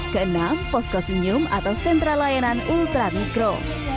keenam poskosium atau sentral layanan ultra mikro